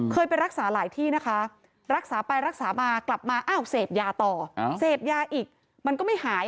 ไปรักษาหลายที่นะคะรักษาไปรักษามากลับมาอ้าวเสพยาต่อเสพยาอีกมันก็ไม่หาย